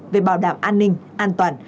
về bảo đảm an ninh an toàn